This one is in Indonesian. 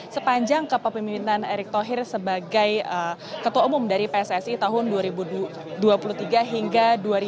sepanjang kepemimpinan erick thohir sebagai ketua umum dari pssi tahun dua ribu dua puluh tiga hingga dua ribu dua puluh